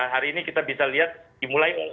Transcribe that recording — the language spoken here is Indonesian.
hari ini kita bisa lihat dimulai oh